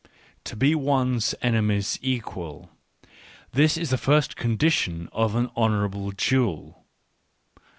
... To be one's enemy's equal — this is the first condition of an honourable duel.